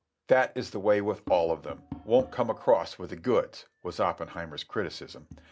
"That is the way with all of them—won't come across with the goods," was Oppenheimer's criticism.